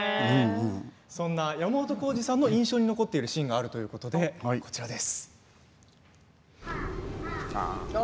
山本耕史さんの印象に残ってるシーンがあるということでこちらです。